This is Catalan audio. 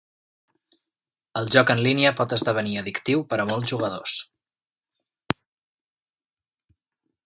El joc en línia pot esdevenir addictiu per a molts jugadors.